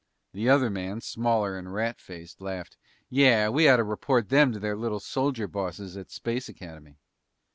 The other man, smaller and rat faced, laughed. "Yeah, we oughta report them to their little soldier bosses at Space Academy."